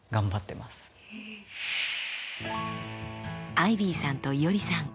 アイビーさんといおりさん。